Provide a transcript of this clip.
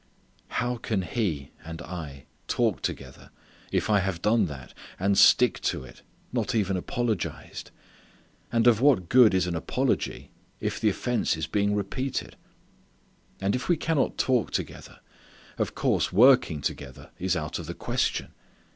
How can He and I talk together if I have done that, and stick to it not even apologized. And of what good is an apology if the offense is being repeated. And if we cannot talk together of course working together is out of the question.